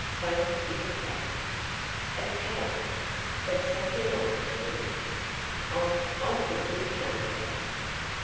"Spunk is a cat." "A cat! but such a name, William! I I think we'll change that."